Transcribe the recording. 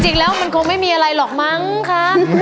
จริงแล้วมันคงไม่มีอะไรหรอกมั้งคะ